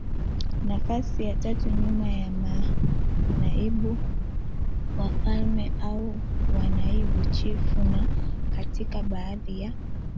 nafasi ya tatu nyuma ya Manaibu Wafalme au Manaibu Chifu na katika baadhi ya